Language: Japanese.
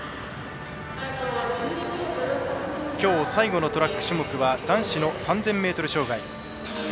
きょう、最後のトラック種目は男子の３０００ｍ障害。